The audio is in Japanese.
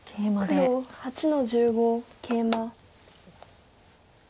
黒８の十五ケイマ。